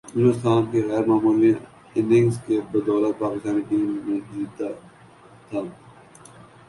یونس خان کی غیر معمولی اننگز کی بدولت پاکستانی ٹیم نے جیتا تھا